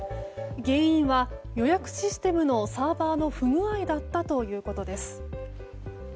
原因は予約システムのサーバーの不具合だったということです。